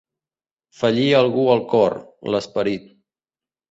Fallir a algú el cor, l'esperit.